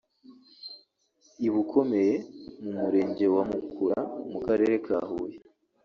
i Bukomeye mu Murenge wa Mukura mu Karere ka Huye